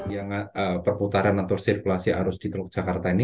yang perputaran atau sirkulasi arus di teluk jakarta ini